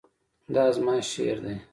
دا زما شعر دی